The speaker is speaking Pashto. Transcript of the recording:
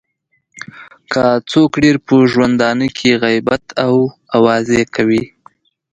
که څوک ډېر په ژوندانه کې غیبت او اوازې کوي.